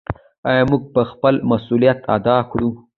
آیا موږ به خپل مسوولیت ادا کړو؟